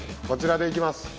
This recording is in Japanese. こちらでいきます。